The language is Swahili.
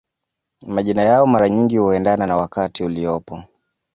Majina yao mara nyingi huendana na wakati uliopo